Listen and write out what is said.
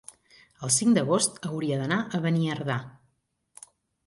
El cinc d'agost hauria d'anar a Beniardà.